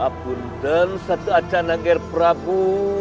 apunten satu acana ger prabu